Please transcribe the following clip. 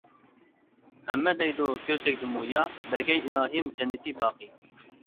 ھەممە دەيدۇ كۆز تەگدىمۇ يا، بەرگەي ئىلاھىم جەننىتى باقىي.